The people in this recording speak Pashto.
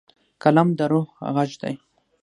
قلم د روح غږ دی.